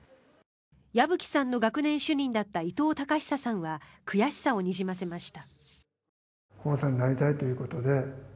矢吹さんの学年主任だった伊藤孝久さんは悔しさをにじませました。